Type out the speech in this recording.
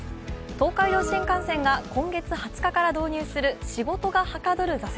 東海道新幹線が今月２０日から導入する仕事がはかどる座席。